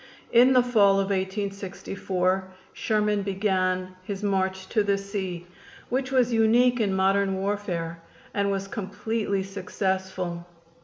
In the fall of 1864 Sherman began his march to the sea, which was unique in modern warfare, and was completely successful.